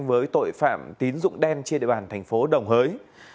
với tội phạm tín dụng đen trên địa bàn thành phố đồng hới